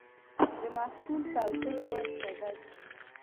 د محصول توضیح باید ساده وي.